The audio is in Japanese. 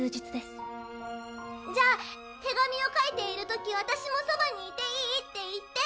じゃあ、手紙を書いているとき、私もそばにいていいって言って！